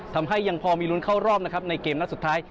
ทำให้ยังพอมีลุ้นเข้ารอบนะครับในเกมนัดสุดท้าย